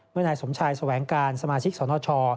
เมื่อนายสมชายสแหวงการสมาชิกสนชอ